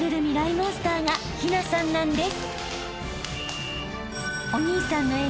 モンスターが陽奈さんなんです］